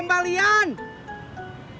sakit ya bang